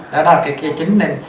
đó là cái cơ chế chính nên